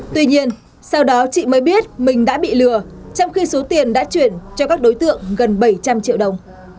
tuy nhiên sau đó chị mới biết mình đã bị lừa trong khi số tiền đã chuyển cho các đối tượng gần bảy trăm linh triệu đồng